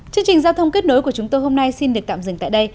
chương trình giao thông kết nối của chúng tôi hôm nay xin được tạm dừng tại đây